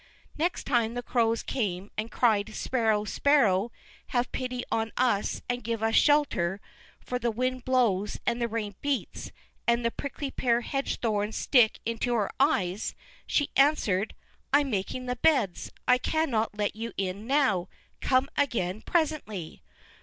Next time the Crows came and cried: "Sparrow, Sparrow, have pity on us and give us shelter, for the wind blows and the rain beats, and the prickly pear hedge thorns stick into our eyes." She answered: "I'm making the beds; I cannot let you in now; come again presently."